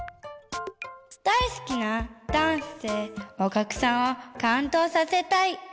だいすきなダンスでおきゃくさんをかんどうさせたい！